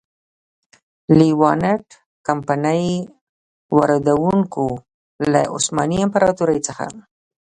لېوانټ کمپنۍ واردوونکو له عثماني امپراتورۍ څخه.